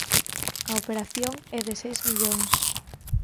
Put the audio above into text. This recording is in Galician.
A operación é de seis millóns.